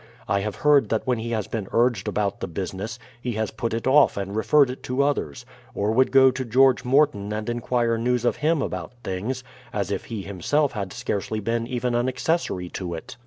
I have heard that when he has been urged about the business, he has put it off and referred it to others ; or would go to George Morton and en quire news of him about things, as if he himself had scarcely been even an accessory to it.